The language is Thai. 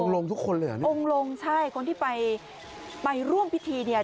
องค์ลงทุกคนเลยอ่ะองค์ลงใช่คนที่ไปไปร่วมพิธีเนี่ย